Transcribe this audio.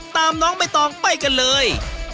น้องใบตองไปกันเลย